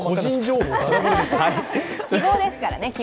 希望ですからね。